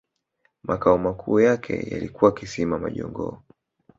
Makao makuu yake yalikuwa Kisima majongoo